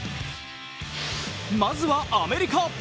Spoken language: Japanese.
まずはアメリカ。